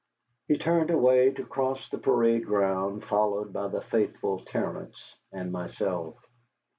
He turned away to cross the parade ground, followed by the faithful Terence and myself.